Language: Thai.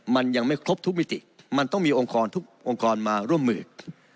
มันยังไม่ครบทุกมิติมันต้องมีองค์กรทุกองค์กรมาร่วมมือ